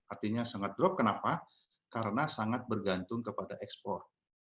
artinya sangat drop kenapa karena sangat bergantung kepada ekspor